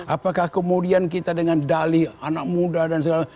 apakah kemudian kita dengan dali anak muda dan segala